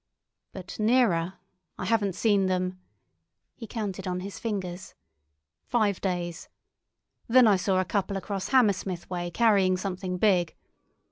But nearer—I haven't seen them—" (he counted on his fingers) "five days. Then I saw a couple across Hammersmith way carrying something big.